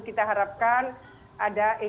kita harapkan ada